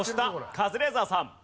カズレーザーさん。